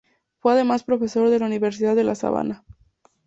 Fue además profesor de la Universidad de La Sabana.